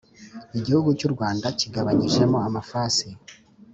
Igihugu cy u Rwanda kigabanyijemo amafasi.